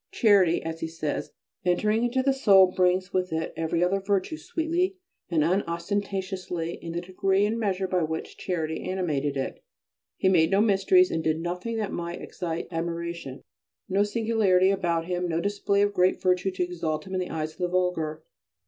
"Charity," as he says, "entering into a soul brings with it every other virtue sweetly and unostentatiously in the degree and measure by which charity animated it." He made no mysteries, and did nothing that might excite admiration; there was no singularity about him, no display of great virtue to exalt him in the eyes of the vulgar.